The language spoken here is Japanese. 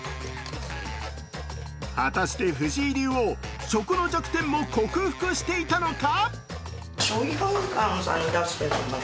果たして藤井竜王、職の弱点も克服していたのか。